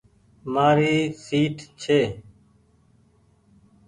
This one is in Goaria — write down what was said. مآري سيٽ ڇي۔